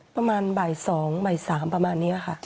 ประมาณบ่าย๒บ่าย๓ประมาณนี้ค่ะ